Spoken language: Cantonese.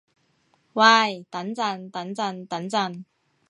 喂等陣等陣等陣